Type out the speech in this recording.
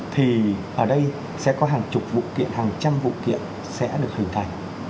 thì ở đây sẽ có hàng chục vụ kiện hàng trăm vụ kiện sẽ được hình thành